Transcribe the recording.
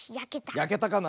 やけたかな。